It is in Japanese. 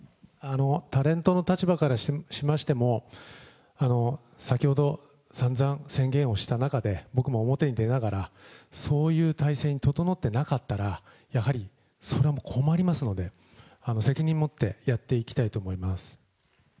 タレントの立場からしましても、先ほど散々宣言をした中で、僕も表に出ながら、そういう体制に整ってなかったら、やはりそれはもう困りますので、責任持ってやっていきたいと思います。